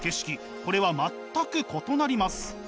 これは全く異なります。